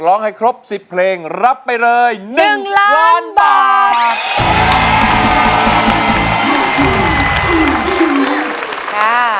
ร้องให้ครบ๑๐เพลงรับไปเลย๑ล้านบาท